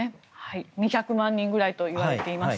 ２００万人ぐらいといわれています。